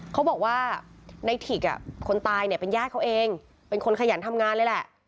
เขาบอกว่าในถิกคนตายเนี่ยเป็นญาติเขาเองเป็นคนขยันทำงานเลยแหละ